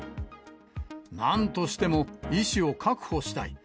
なんとしても医師を確保したい。